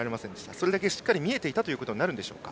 それだけしっかり見えていたということになるんでしょうか。